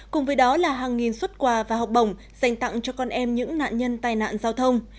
cùng với đó là hàng nghìn xuất quà và học bổng dành tặng cho con em những nạn nhân tai nạn giao thông